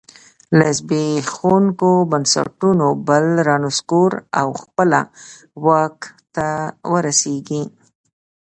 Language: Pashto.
له زبېښونکو بنسټونو بل رانسکور او خپله واک ته ورسېږي.